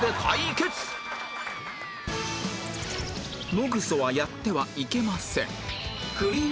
野糞はやってはいけません